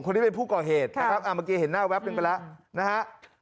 คนนี้เป็นผู้ก่อเหตุเมื่อกี้เห็นหน้าแว๊บนึงไปแล้ว